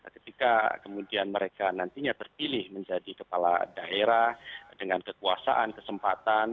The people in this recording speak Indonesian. ketika kemudian mereka nantinya terpilih menjadi kepala daerah dengan kekuasaan kesempatan